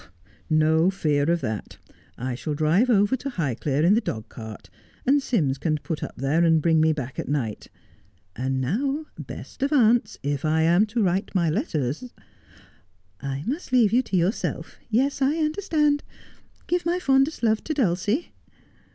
' No fear of that. I shall drive over to Highclere in the dog cart, and Sims can put up there and bring me back at night. And now, best of aunts, if I am to write my letters '' I must leave you to yourself. Yes, I understand. Give my fondest love to Dulcie.'